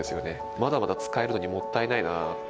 まだまだ使えるのにもったいないなって。